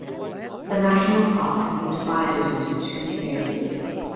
The national park can be divided into two areas.